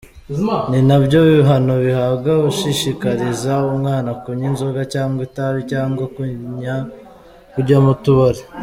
Ni nabyo bihano bihabwa ushishikariza umwana kunywa inzoga cyangwa itabi cyangwa kujya mu tubari”.